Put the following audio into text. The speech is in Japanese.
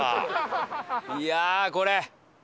いやあこれ。